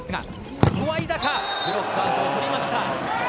ここはブロックアウトを取りました。